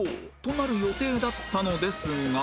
なる予定だったのですが